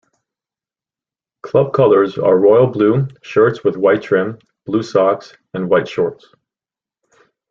Club colours are royal blue shirts with white trim, blue socks and white shorts.